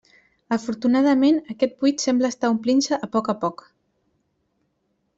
Afortunadament, aquest buit sembla estar omplint-se a poc a poc.